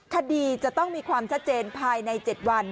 คดีจะต้องมีความชัดเจนภายใน๗วัน